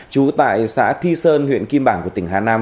trú tại xã thi sơn huyện kim bảng của tỉnh hà nam